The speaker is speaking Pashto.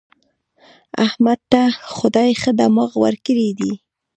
احمد ته خدای ښه دماغ ورکړی دی.